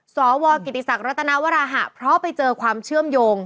สวกิติศักดิรัตนวราหะเพราะไปเจอความเชื่อมโยง